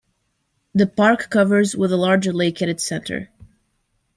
The park covers with a large lake at its center.